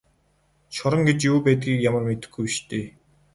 Шорон гэж юу байдгийг би ямар мэдэхгүй биш дээ.